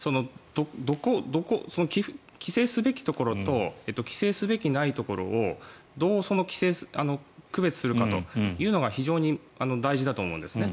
規制すべきところと規制すべきないところをどう区別するかというのが非常に大事だと思うんです。